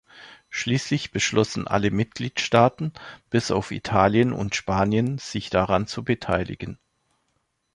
Schließlich beschlossen alle Mitgliedstaaten bis auf Italien und Spanien, sich daran zu beteiligen.